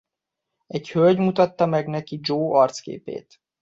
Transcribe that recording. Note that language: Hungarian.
Egy hölgy mutatta meg neki Joe arcképét.